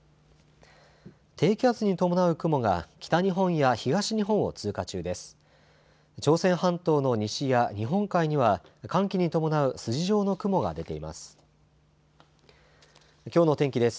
低気圧に伴う雲が北日本や東日本を通過中です。